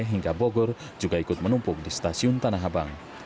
yang diberikan oleh banten dan bokor juga ikut menumpuk di stasiun tanah abang